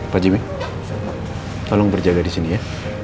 pak jimmy tolong berjaga di sini ya